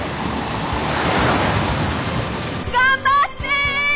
頑張って！